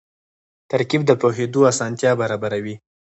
ترکیب د پوهېدو اسانتیا برابروي.